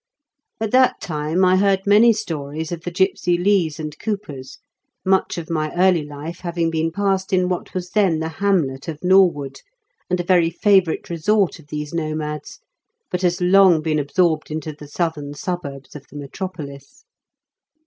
At that time I heard many stories of the gipsy Lees and Coopers, much of my early life having been passed in what was then the hamlet of Norwood, and a very favourite resort of these nomads, but has long been absorbed into the southern suburbs of the metropolis.